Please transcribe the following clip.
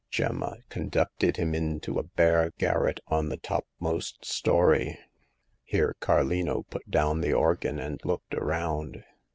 Gemma conducted him into a bare garret on the topmost story. Here Car lino put down the organ and looked around.